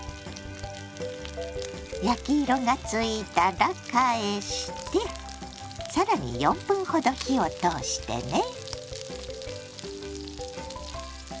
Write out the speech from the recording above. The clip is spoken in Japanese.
焼き色がついたら返して更に４分ほど火を通してね。